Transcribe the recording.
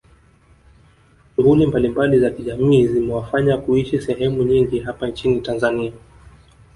Shughuli mbalimbali za kijamii zimewafanya kuishi sahemu nyingi hapa nchini Tanzania